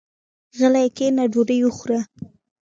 غلی کېنه ډوډۍ وخوره.